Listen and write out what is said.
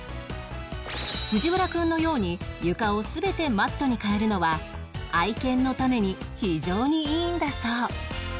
藤原くんのように床を全てマットに変えるのは愛犬のために非常にいいんだそう